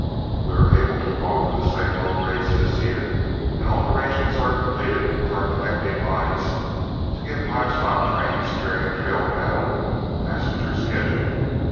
We are able to offer the same low rates this year, and all arrangements are completed with our connecting lines to give live stock trains carrying trail cattle a passenger schedule.